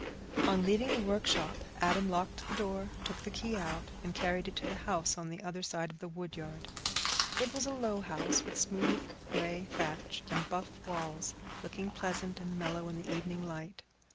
On leaving the workshop Adam locked the door, took the key out, and carried it to the house on the other side of the woodyard. It was a low house, with smooth grey thatch and buff walls, looking pleasant and mellow in the evening light.